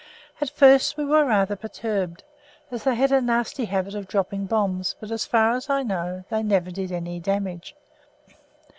As first we were rather perturbed, as they had a nasty habit of dropping bombs, but as far as I know they never did any damage.